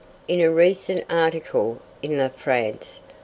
In a recent article in La France, M.